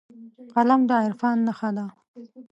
قلم د عرفان نښه ده